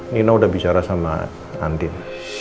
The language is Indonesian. nina udah bicara sama andin